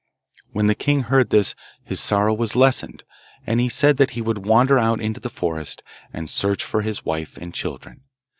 When the king heard this his sorrow was lessened, and he said that he would wander out into the forest and search for his wife and children.